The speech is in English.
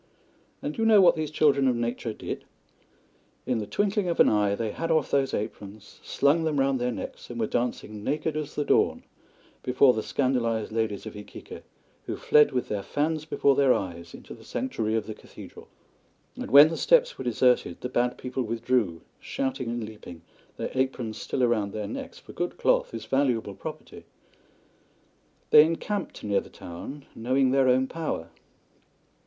And do you know what these children of nature did? In the twinkling of an eye they had off those aprons, slung them round their necks, and were dancing naked as the dawn before the scandalised ladies of Iquique, who fled with their fans before their eyes into the sanctuary of the cathedral. And when the steps were deserted the Bad People withdrew, shouting and leaping, their aprons still round their necks, for good cloth is valuable property. They encamped near the town, knowing their own power.